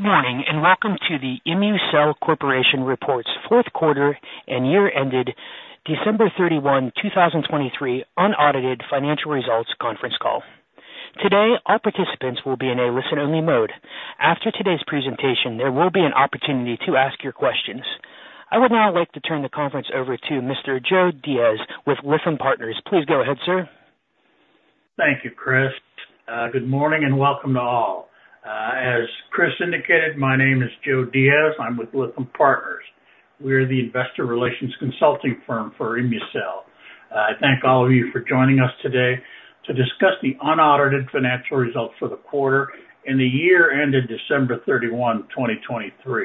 Good morning and welcome to the ImmuCell Corporation's Fourth Quarter and Year-Ended, December 31, 2023, Unaudited Financial Results Conference Call. Today, all participants will be in a listen-only mode. After today's presentation, there will be an opportunity to ask your questions. I would now like to turn the conference over to Mr. Joe Diaz with Lytham Partners. Please go ahead, sir. Thank you, Chris. Good morning and welcome to all. As Chris indicated, my name is Joe Diaz. I'm with Lytham Partners. We are the investor relations consulting firm for ImmuCell. I thank all of you for joining us today to discuss the unaudited financial results for the quarter and the year-ended December 31, 2023.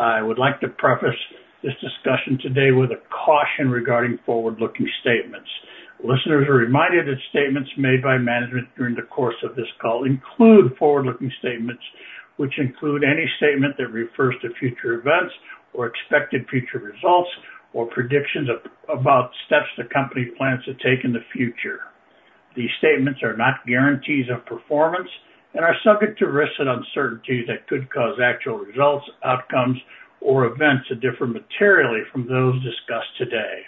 I would like to preface this discussion today with a caution regarding forward-looking statements. Listeners are reminded that statements made by management during the course of this call include forward-looking statements, which include any statement that refers to future events or expected future results or predictions about steps the company plans to take in the future. These statements are not guarantees of performance and are subject to risks and uncertainties that could cause actual results, outcomes, or events to differ materially from those discussed today.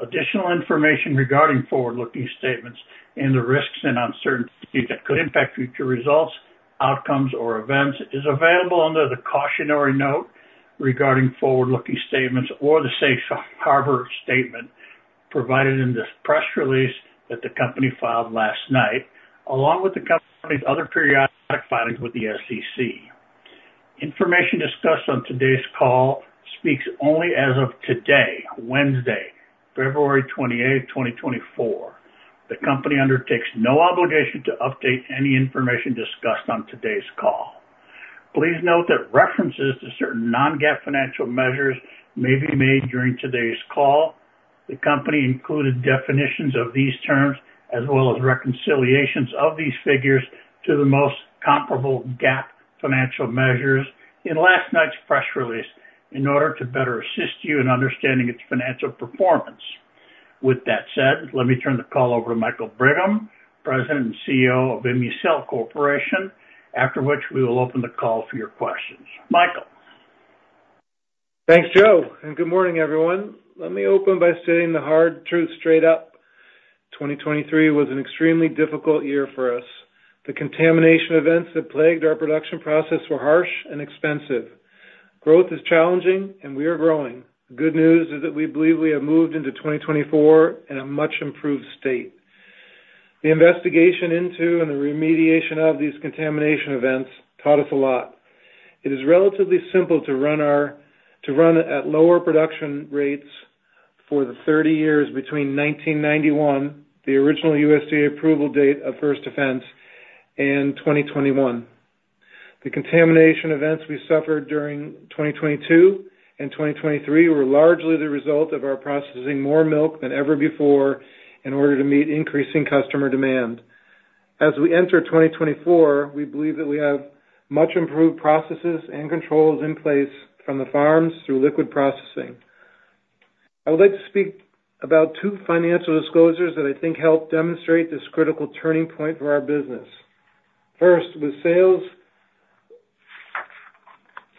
Additional information regarding forward-looking statements and the risks and uncertainties that could impact future results, outcomes, or events is available under the cautionary note regarding forward-looking statements or the safe harbor statement provided in this press release that the company filed last night, along with the company's other periodic findings with the SEC. Information discussed on today's call speaks only as of today, Wednesday, February 28, 2024. The company undertakes no obligation to update any information discussed on today's call. Please note that references to certain non-GAAP financial measures may be made during today's call. The company included definitions of these terms as well as reconciliations of these figures to the most comparable GAAP financial measures in last night's press release in order to better assist you in understanding its financial performance. With that said, let me turn the call over to Michael Brigham, President and CEO of ImmuCell Corporation, after which we will open the call for your questions. Michael. Thanks, Joe, and good morning, everyone. Let me open by stating the hard truth straight up. 2023 was an extremely difficult year for us. The contamination events that plagued our production process were harsh and expensive. Growth is challenging, and we are growing. The good news is that we believe we have moved into 2024 in a much improved state. The investigation into and the remediation of these contamination events taught us a lot. It is relatively simple to run at lower production rates for the 30 years between 1991, the original USDA approval date of First Defense, and 2021. The contamination events we suffered during 2022 and 2023 were largely the result of our processing more milk than ever before in order to meet increasing customer demand. As we enter 2024, we believe that we have much improved processes and controls in place from the farms through liquid processing. I would like to speak about two financial disclosures that I think help demonstrate this critical turning point for our business. First,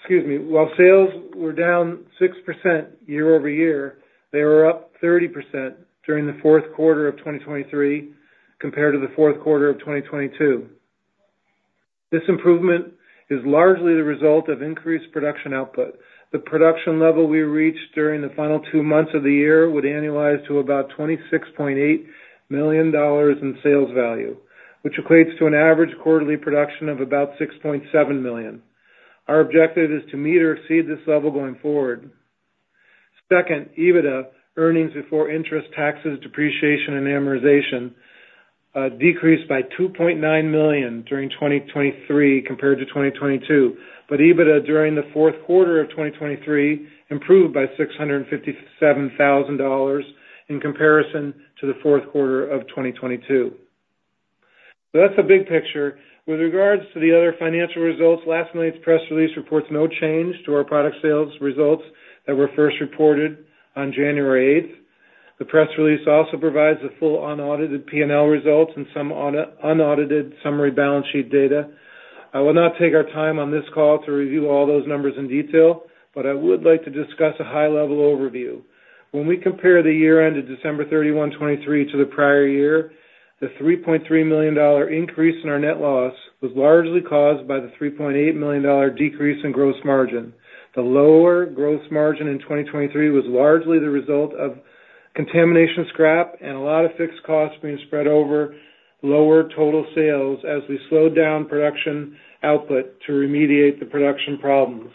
while sales were down 6% year-over-year, they were up 30% during the fourth quarter of 2023 compared to the fourth quarter of 2022. This improvement is largely the result of increased production output. The production level we reached during the final two months of the year would annualize to about $26.8 million in sales value, which equates to an average quarterly production of about $6.7 million. Our objective is to meet or exceed this level going forward. Second, EBITDA, earnings before interest, taxes, depreciation, and amortization, decreased by $2.9 million during 2023 compared to 2022, but EBITDA during the fourth quarter of 2023 improved by $657,000 in comparison to the fourth quarter of 2022. So that's the big picture. With regards to the other financial results, last night's press release reports no change to our product sales results that were first reported on January 8. The press release also provides the full unaudited P&L results and some unaudited summary balance sheet data. I will not take our time on this call to review all those numbers in detail, but I would like to discuss a high-level overview. When we compare the year-ended December 31, 2023, to the prior year, the $3.3 million increase in our net loss was largely caused by the $3.8 million decrease in gross margin. The lower gross margin in 2023 was largely the result of contamination scrap and a lot of fixed costs being spread over lower total sales as we slowed down production output to remediate the production problems.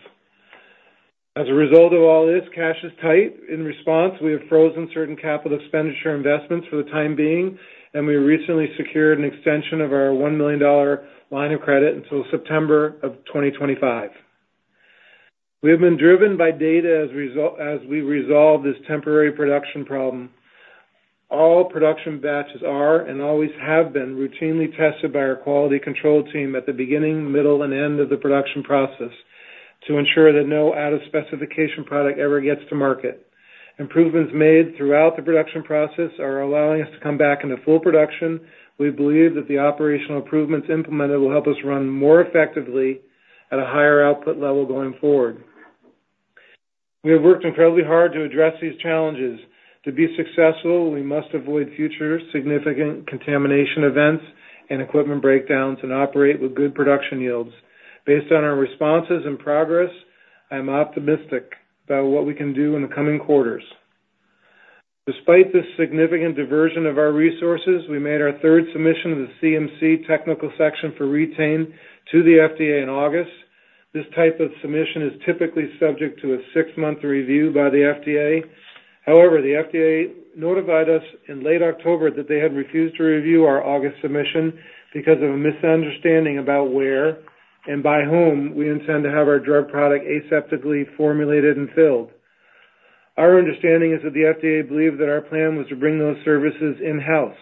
As a result of all this, cash is tight. In response, we have frozen certain capital expenditure investments for the time being, and we recently secured an extension of our $1 million line of credit until September of 2025. We have been driven by data as we resolve this temporary production problem. All production batches are and always have been routinely tested by our quality control team at the beginning, middle, and end of the production process to ensure that no out-of-specification product ever gets to market. Improvements made throughout the production process are allowing us to come back into full production. We believe that the operational improvements implemented will help us run more effectively at a higher output level going forward. We have worked incredibly hard to address these challenges. To be successful, we must avoid future significant contamination events and equipment breakdowns and operate with good production yields. Based on our responses and progress, I am optimistic about what we can do in the coming quarters. Despite this significant diversion of our resources, we made our third submission to the CMC technical section for Re-Tain to the FDA in August. This type of submission is typically subject to a six-month review by the FDA. However, the FDA notified us in late October that they had refused to review our August submission because of a misunderstanding about where and by whom we intend to have our drug product aseptically formulated and filled. Our understanding is that the FDA believed that our plan was to bring those services in-house,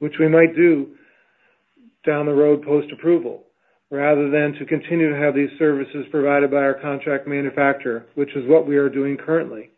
which we might do down the road post-approval, rather than to continue to have these services provided by our contract manufacturer, which is what we are doing currently.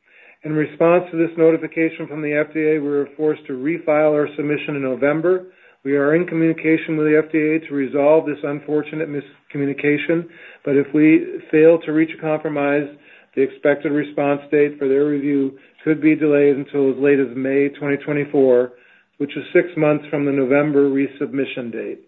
In response to this notification from the FDA, we were forced to refile our submission in November. We are in communication with the FDA to resolve this unfortunate miscommunication, but if we fail to reach a compromise, the expected response date for their review could be delayed until as late as May 2024, which is six months from the November resubmission date.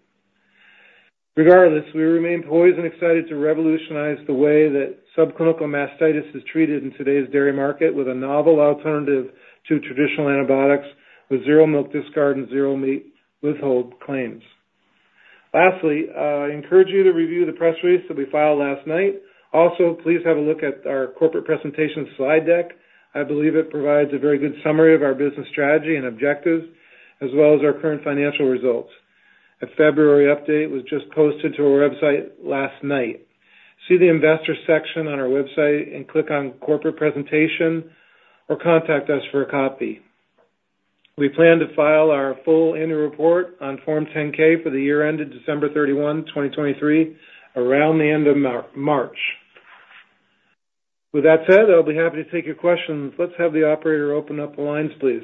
Regardless, we remain poised and excited to revolutionize the way that subclinical mastitis is treated in today's dairy market with a novel alternative to traditional antibiotics with zero milk discard and zero meat withhold claims. Lastly, I encourage you to review the press release that we filed last night. Also, please have a look at our corporate presentation slide deck. I believe it provides a very good summary of our business strategy and objectives as well as our current financial results. A February update was just posted to our website last night. See the investor section on our website and click on corporate presentation or contact us for a copy. We plan to file our full annual report on Form 10-K for the year-ended December 31, 2023, around the end of March. With that said, I'll be happy to take your questions. Let's have the operator open up the lines, please.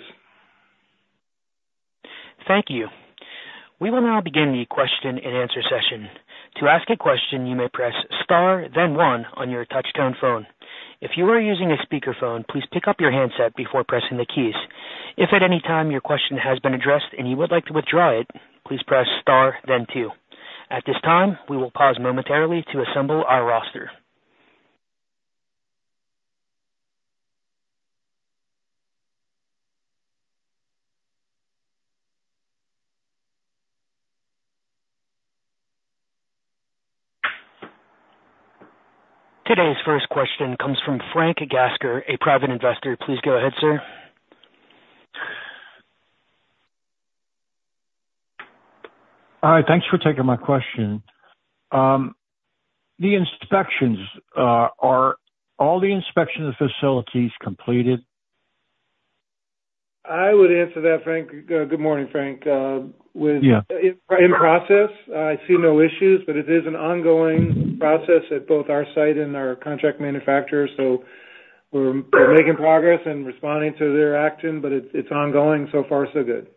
Thank you. We will now begin the question and answer session. To ask a question, you may press star, then one on your touchscreen phone. If you are using a speakerphone, please pick up your handset before pressing the keys. If at any time your question has been addressed and you would like to withdraw it, please press star, then two. At this time, we will pause momentarily to assemble our roster. Today's first question comes from Frank Gasker, at Private Investor. Please go ahead, sir. All right. Thanks for taking my question. Are all the inspection of facilities completed? I would answer that, Frank. Good morning, Frank. In process. I see no issues, but it is an ongoing process at both our site and our contract manufacturer, so we're making progress and responding to their action, but it's ongoing. So far, so good.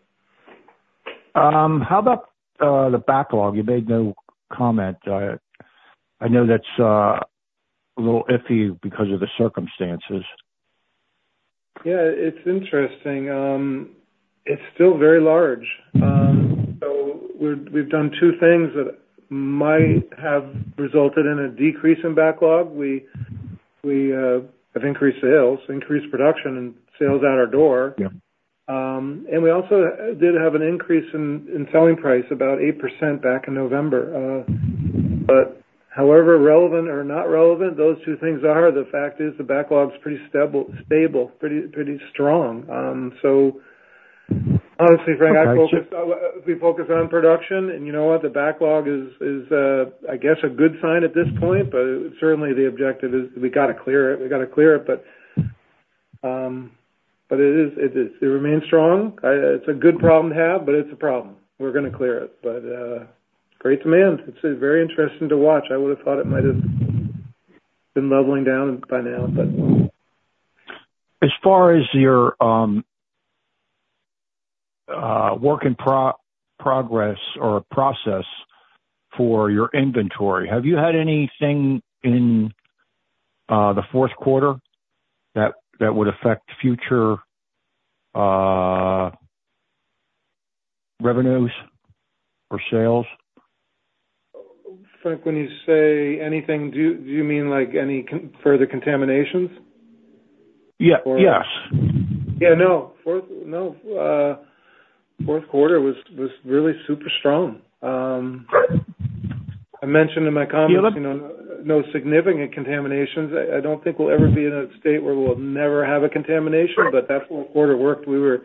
How about the backlog? You made no comment. I know that's a little iffy because of the circumstances. Yeah, it's interesting. It's still very large. So we've done two things that might have resulted in a decrease in backlog. We have increased sales, increased production, and sales out our door. And we also did have an increase in selling price about 8% back in November. But however relevant or not relevant, those two things are. The fact is, the backlog is pretty stable, pretty strong. So honestly, Frank, we focus on production. And you know what? The backlog is, I guess, a good sign at this point, but certainly, the objective is we got to clear it. We got to clear it, but it remains strong. It's a good problem to have, but it's a problem. We're going to clear it. But great demand. It's very interesting to watch. I would have thought it might have been leveling down by now, but. As far as your work in progress or process for your inventory, have you had anything in the fourth quarter that would affect future revenues or sales? Frank, when you say anything, do you mean any further contaminations? Yeah. Yes. Yeah. No. Fourth quarter was really super strong. I mentioned in my comments, no significant contaminations. I don't think we'll ever be in a state where we'll never have a contamination, but that fourth quarter worked. We go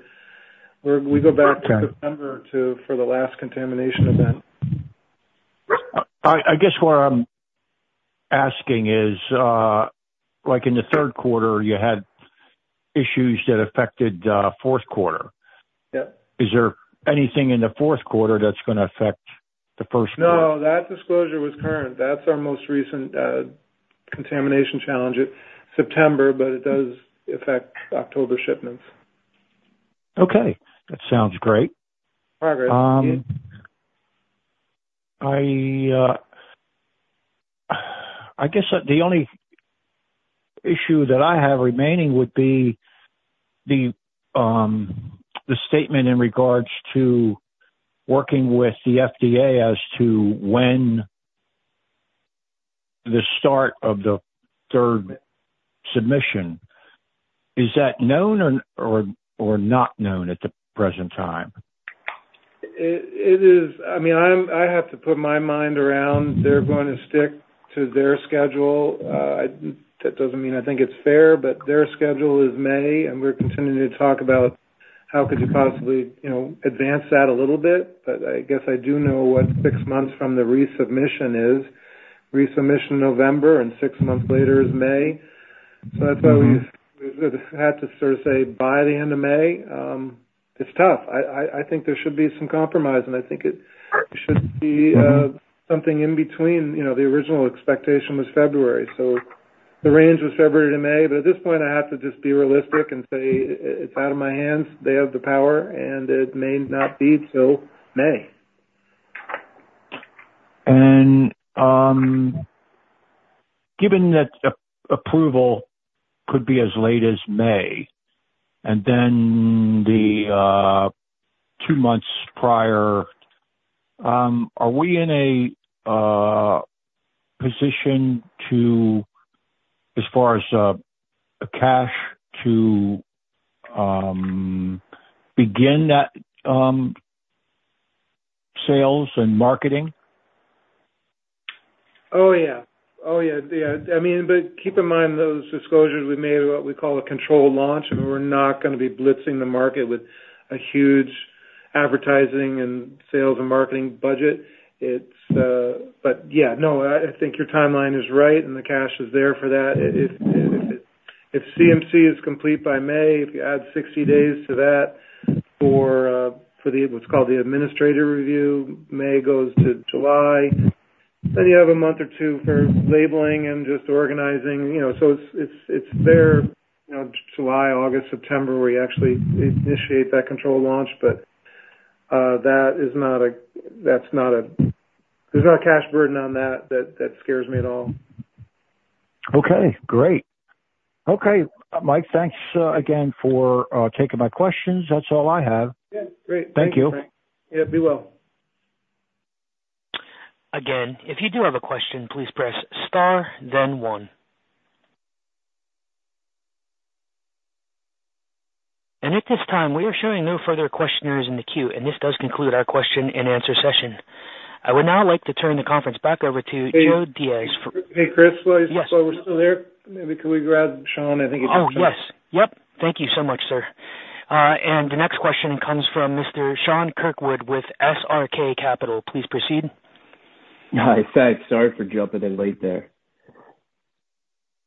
back to September for the last contamination event. I guess what I'm asking is, in the third quarter, you had issues that affected fourth quarter. Is there anything in the fourth quarter that's going to affect the first quarter? No, that disclosure was current. That's our most recent contamination challenge, September, but it does affect October shipments. Okay. That sounds great. Progress. I guess the only issue that I have remaining would be the statement in regards to working with the FDA as to when the start of the third submission. Is that known or not known at the present time? I mean, I have to put my mind around they're going to stick to their schedule. That doesn't mean I think it's fair, but their schedule is May, and we're continuing to talk about how could you possibly advance that a little bit. But I guess I do know what six months from the resubmission is. Resubmission November, and six months later is May. So that's why we've had to sort of say by the end of May. It's tough. I think there should be some compromise, and I think it should be something in between. The original expectation was February, so the range was February to May. At this point, I have to just be realistic and say it's out of my hands. They have the power, and it may not be till May. Given that approval could be as late as May and then the two months prior, are we in a position, as far as cash, to begin that sales and marketing? Oh, yeah. Oh, yeah. Yeah. I mean, but keep in mind those disclosures we made are what we call a controlled launch, and we're not going to be blitzing the market with a huge advertising and sales and marketing budget. But yeah, no, I think your timeline is right, and the cash is there for that. If CMC is complete by May, if you add 60 days to that for what's called the administrative review, May goes to July, then you have a month or two for labeling and just organizing. So it's there, July, August, September, where you actually initiate that controlled launch, but there's not a cash burden on that that scares me at all. Okay. Great. Okay, Mike, thanks again for taking my questions. That's all I have. Yeah. Great. Thank you. Thank you. Yeah. Be well. Again, if you do have a question, please press star, then one. At this time, we are showing no further questions in the queue, and this does conclude our question and answer session. I would now like to turn the conference back over to Joe Diaz for. Hey, Chris. While we're still there, maybe could we grab Sean? I think he just joined. Oh, yes. Yep. Thank you so much, sir. The next question comes from Mr. Sean Kirkwood with SRK Capital. Please proceed. Hi. Thanks. Sorry for jumping in late there.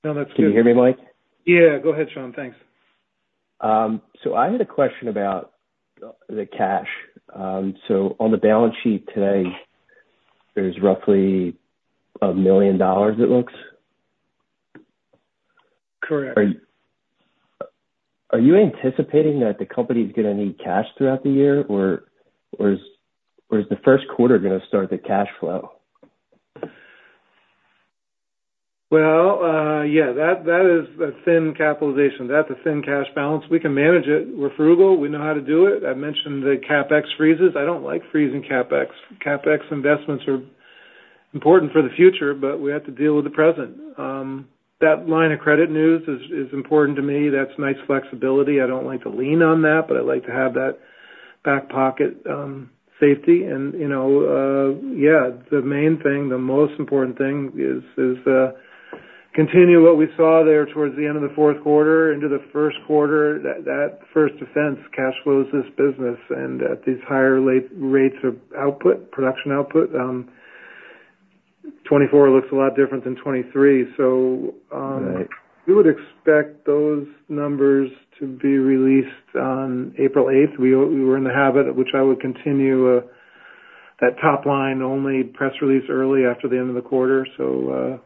No, that's good. Can you hear me, Mike? Yeah. Go ahead, Sean. Thanks. I had a question about the cash. On the balance sheet today, there's roughly $1 million, it looks. Correct. Are you anticipating that the company is going to need cash throughout the year, or is the first quarter going to start the cash flow? Well, yeah, that is a thin capitalization. That's a thin cash balance. We can manage it. We're frugal. We know how to do it. I mentioned the CapEx freezes. I don't like freezing CapEx. CapEx investments are important for the future, but we have to deal with the present. That line of credit news is important to me. That's nice flexibility. I don't like to lean on that, but I like to have that back pocket safety. And yeah, the main thing, the most important thing is to continue what we saw there towards the end of the fourth quarter into the first quarter. That First Defense cash flows this business, and at these higher rates of production output, 2024 looks a lot different than 2023. So we would expect those numbers to be released on April 8th. We were in the habit, which I would continue, that top line only press release early after the end of the quarter. So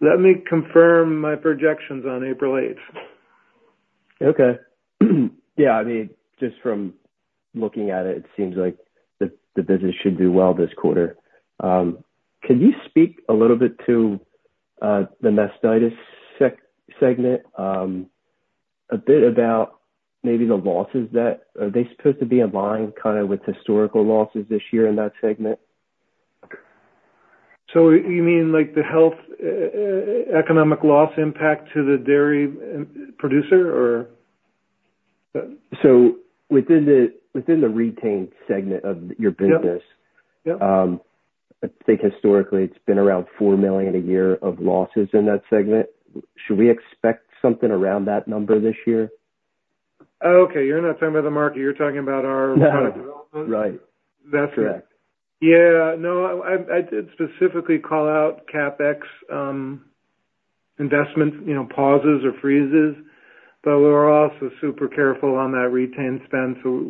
let me confirm my projections on April 8. Okay. Yeah. I mean, just from looking at it, it seems like the business should do well this quarter. Can you speak a little bit to the mastitis segment, a bit about maybe the losses that are they supposed to be in line kind of with historical losses this year in that segment? You mean the health economic loss impact to the dairy producer, or? So within the Re-Tain segment of your business, I think historically, it's been around $4 million a year of losses in that segment. Should we expect something around that number this year? Oh, okay. You're not talking about the market. You're talking about our product development. That's it. Yeah. No, I did specifically call out CapEx investment pauses or freezes, but we're also super careful on that Re-Tain spend. So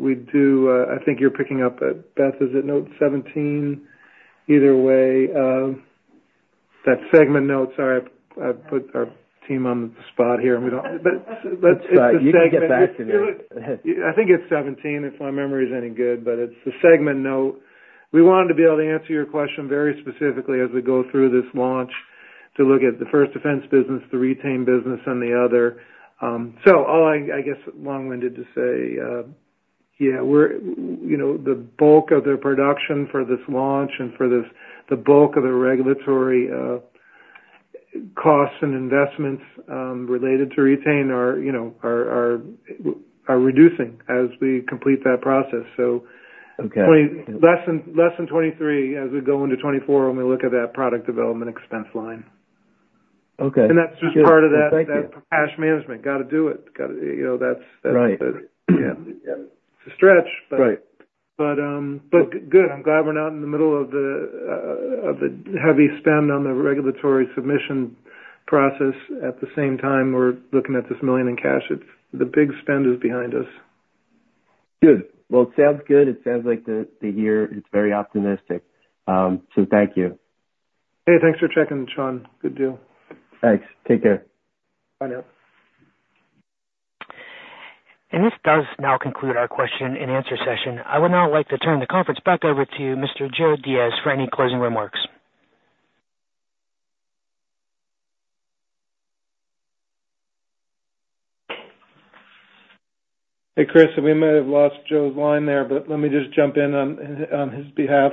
I think you're picking up at Beth, is it note 17? Either way, that segment note. Sorry, I've put our team on the spot here, and we don't but it's the segment. It's fine. You can get back to me. I think it's 17, if my memory is any good, but it's the segment note. We wanted to be able to answer your question very specifically as we go through this launch to look at the First Defense business, the Re-Tain business, and the other. So all I, I guess, long-winded to say, yeah, the bulk of their production for this launch and for the bulk of the regulatory costs and investments related to Re-Tain are reducing as we complete that process. So less than 2023 as we go into 2024 when we look at that product development expense line. And that's just part of that cash management. Got to do it. That's a stretch, but good. I'm glad we're not in the middle of the heavy spend on the regulatory submission process. At the same time, we're looking at this $1 million in cash. The big spend is behind us. Good. Well, it sounds good. It sounds like the year is very optimistic. So thank you. Hey, thanks for checking, Sean. Good deal. Thanks. Take care. Bye now. This does now conclude our question and answer session. I would now like to turn the conference back over to Mr. Joe Diaz for any closing remarks. Hey, Chris. We might have lost Joe's line there, but let me just jump in on his behalf.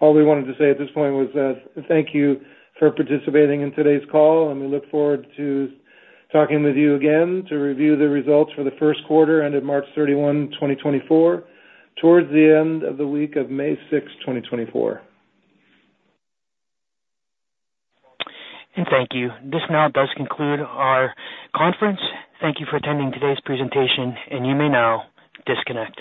All we wanted to say at this point was thank you for participating in today's call, and we look forward to talking with you again to review the results for the first quarter ended March 31, 2024, towards the end of the week of May 6, 2024. Thank you. This now does conclude our conference. Thank you for attending today's presentation, and you may now disconnect.